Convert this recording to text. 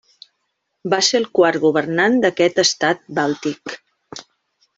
Va ser el quart governant d'aquest estat bàltic.